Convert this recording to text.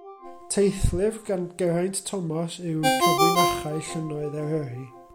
Teithlyfr gan Geraint Thomas yw Cyfrinachau Llynnoedd Eryri.